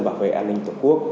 và về an ninh tổ quốc